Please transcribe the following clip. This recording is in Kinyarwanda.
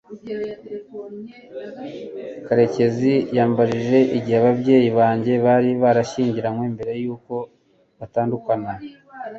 karekezi yambajije igihe ababyeyi banjye bari barashyingiranywe mbere yuko batandukana